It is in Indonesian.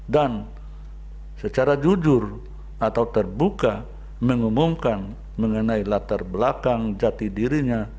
dan secara jujur atau terbuka mengumumkan mengenai latar belakang jati dirinya